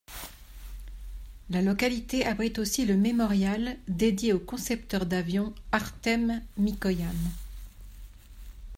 La localité abrite aussi le mémorial dédié au concepteur d'avions Artem Mikoyan.